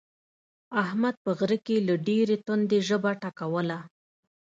احمد په غره کې له ډېرې تندې ژبه ټکوله.